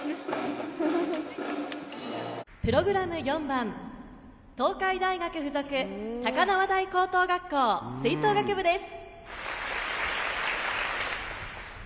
プログラム４番、東海大学付属高輪台高等学校、吹奏楽部です。